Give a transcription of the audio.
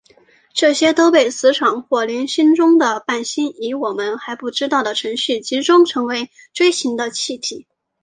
这些都被磁场或联星中的伴星以我们还不知道的程序集中成为锥形的气体。